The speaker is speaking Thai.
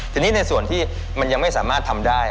ทีนี้ในส่วนที่มันยังไม่สามารถทำได้